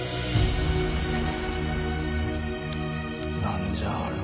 何じゃあれは。